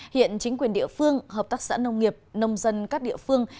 hiện chính quyền địa phương hợp tác xã nông nghiệp nông dân các địa phương